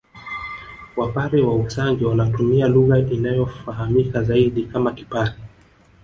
Wapare wa Usangi wanatumia lugha inayofahamika zaidi kama Kipare